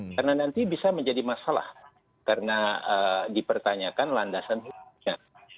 karena nanti bisa menjadi masalah karena dipertanyakan landasan pu nya